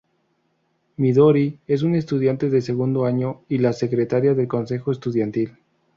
Midori es un estudiante de segundo año y la secretaria del consejo estudiantil.